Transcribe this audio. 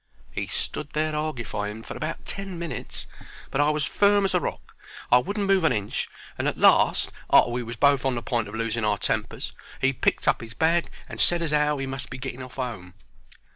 He stood there argufying for about ten minutes; but I was as firm as a rock. I wouldn't move an inch, and at last, arter we was both on the point of losing our tempers, he picked up his bag and said as 'ow he must be getting off 'ome.